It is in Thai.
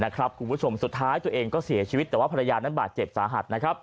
คุณผู้ชมสุดท้ายตัวเองก็เสียชีวิตแต่ว่าภรรยานั้นบาดเจ็บสาหัส